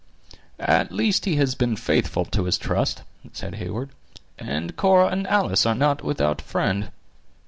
"At least he has been faithful to his trust," said Heyward. "And Cora and Alice are not without a friend."